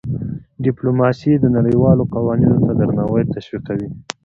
ډيپلوماسي د نړیوالو قوانینو ته درناوی تشویقوي.